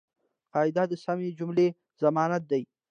قاعده د سمي جملې ضمانت دئ.